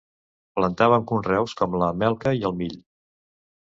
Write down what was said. Plantaven conreus com la melca i el mill.